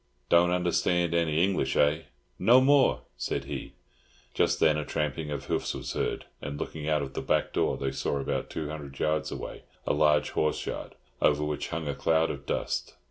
"Don't understand any English, eh?" "No more," said he. Just then a tramping of hoofs was heard; and looking out of the back door they saw, about two hundred yards away, a large horse yard, over which hung a cloud of dust.